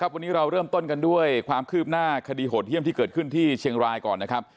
วันนี้เราเริ่มต้นกันด้วยความคืบหน้าคดีโหดเยี่ยมที่เกิดขึ้นที่เชียงรายก่อนนะครับ